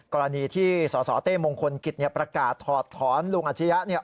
กรณีที่สสเต้มงคลกิจประกาศถอดท้อนลุงอาชญา